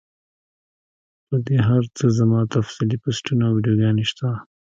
پۀ دې هر څۀ زما تفصیلي پوسټونه او ويډيوګانې شته